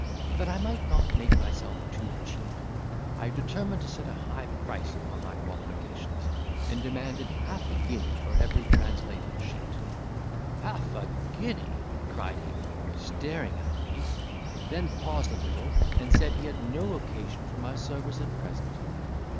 That I might not make myself too cheap, I determined to set a high price upon my qualifications, and demanded half a guinea for every translated sheet. "Half a guinea!" cried he, staring at me; then paused a little, and said, he had no occasion for my service at present.